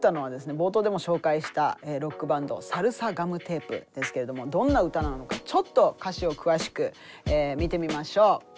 冒頭でも紹介したロックバンドサルサガムテープですけれどもどんな歌なのかちょっと歌詞を詳しく見てみましょう。